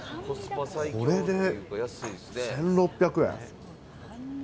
これで１６００円。